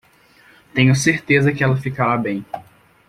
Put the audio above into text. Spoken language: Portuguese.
Tenho certeza que ela ficará bem.